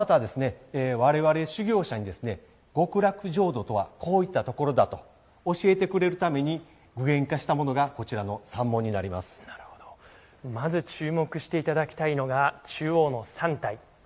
また我々修行者に極楽浄土とはこういったところだと教えてくれるために具現化したものがまず注目していただきたいのが中央の３体。